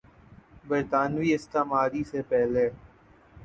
برطانوی استعماری سے پہلے